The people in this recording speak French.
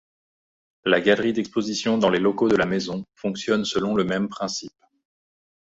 La galerie d'exposition dans les locaux de la maison fonctionne selon le même principe.